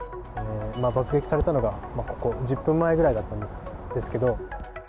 今、爆撃されたのが１０分前ぐらいだったんですけど。